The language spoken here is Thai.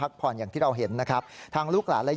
ก็ชอบนั่ง